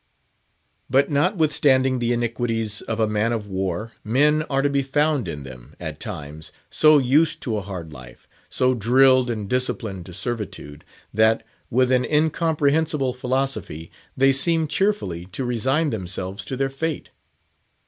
But notwithstanding the iniquities of a man of war, men are to be found in them, at times, so used to a hard life; so drilled and disciplined to servitude, that, with an incomprehensible philosophy, they seem cheerfully to resign themselves to their fate.